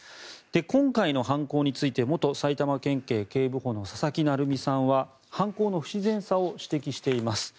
今回の犯行について元埼玉県警警部補の佐々木成三さんは犯行の不自然さを指摘しています。